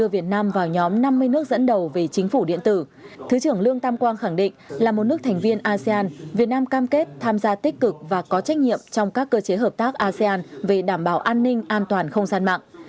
việt nam vào nhóm năm mươi nước dẫn đầu về chính phủ điện tử thứ trưởng lương tam quang khẳng định là một nước thành viên asean việt nam cam kết tham gia tích cực và có trách nhiệm trong các cơ chế hợp tác asean về đảm bảo an ninh an toàn không gian mạng